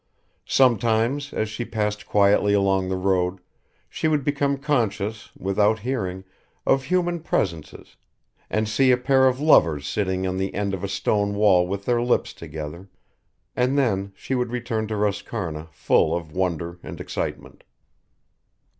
Sometimes as she passed quietly along the road, she would become conscious, without hearing, of human presences, and see a pair of lovers sitting on the end of a stone wall with their lips together, and then she would return to Roscarna full of wonder and excitement.